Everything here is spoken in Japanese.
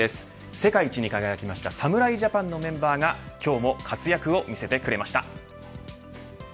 世界一に輝きました侍ジャパンのメンバーが今日も活躍を見せてくれました。